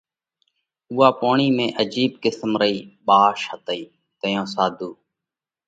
اُوئا پوڻِي ۾ عجيب قسم رئي ٻاش ھتئي تئيون ساڌُو